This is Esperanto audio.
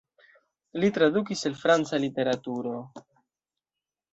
Li tradukis el franca literaturo.